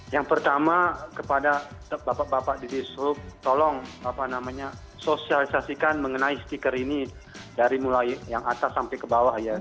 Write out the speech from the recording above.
yang pertama kepada bapak bapak di dishub tolong sosialisasikan mengenai stiker ini dari mulai yang atas sampai ke bawah ya